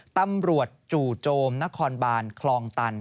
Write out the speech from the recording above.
ตำรวจจู่โจมนครบาลคลองตัน